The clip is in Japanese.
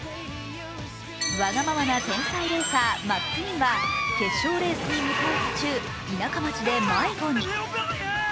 わがままな天才レーサー、マックィーンは決勝レースに向かう途中、田舎町で迷子に。